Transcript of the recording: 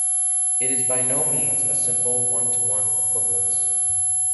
It is by no means a simple, one-to-one equivalence.